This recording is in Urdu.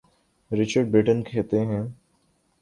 رچرڈ برٹن کہتے ہیں۔